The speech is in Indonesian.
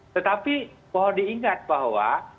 tetapi kalau diingat bahwa